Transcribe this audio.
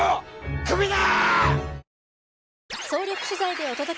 クビだ！